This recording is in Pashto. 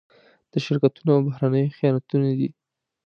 د شرکتونو او بهرنيانو خیانتونه دي.